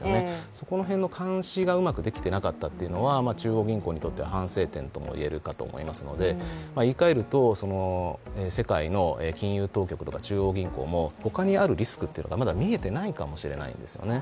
その辺の監視がうまくできていなかったというのは中央銀行にとっては反省点とも言えるかと思いますので言い換えると、世界の金融当局とか中央銀行も他にあるリスクがまだ見えていないかもしれないですね。